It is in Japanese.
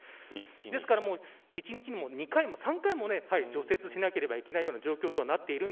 ですから、１日に２回も３回も除雪しなければいけないような状況です。